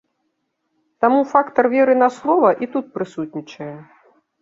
Таму фактар веры на слова і тут прысутнічае.